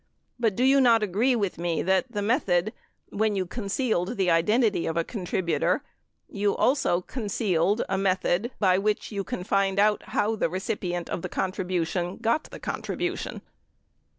But do you not agree with me that the method — when you concealed the identity of a contributor you also concealed a method, the way by which you can find how the recipient of the contribution got the contribution